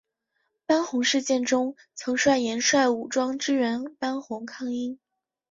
班洪事件中曾率岩帅武装支援班洪抗英。